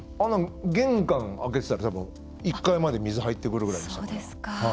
玄関開けてたら、たぶん１階まで水入ってくるぐらいでしたから。